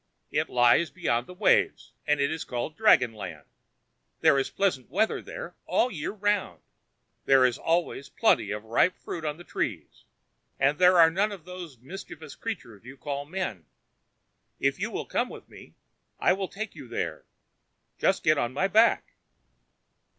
It lies beyond the waves, and is called dragon land. There is pleasant weather there all the year round; there is always plenty of ripe fruit on the trees, and there are none of those mischievous creatures called men. If you will come with me, I will take you there. Just get on my back."